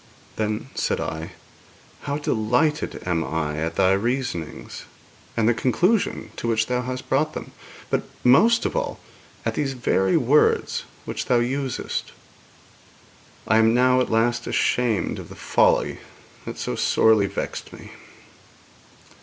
Then said I: 'How delighted am I at thy reasonings, and the conclusion to which thou hast brought them, but most of all at these very words which thou usest! I am now at last ashamed of the folly that so sorely vexed me.'